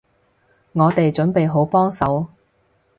我哋準備好幫手